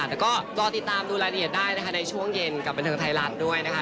และก็ต้องติดตามดูรายละเอียดได้ในช่วงเย็นกับบรรทางไทยลักษณ์ด้วยนะคะ